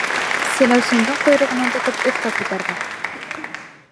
Селәүсендең ҡойроғонан тотоп өҫкә күтәрҙе: